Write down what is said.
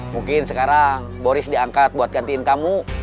mungkin sekarang boris diangkat buat gantiin kamu